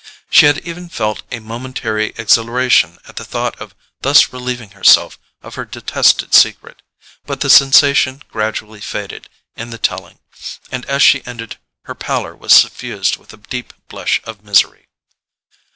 She had even felt a momentary exhilaration at the thought of thus relieving herself of her detested secret; but the sensation gradually faded in the telling, and as she ended her pallor was suffused with a deep blush of misery.